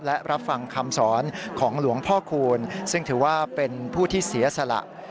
และรับฟังคำสอนของหลวงพ่อคูณซึ่งถือว่าเป็นผู้ที่เสียสละ